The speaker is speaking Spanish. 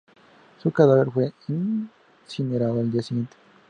Su cadáver fue incinerado al día siguiente.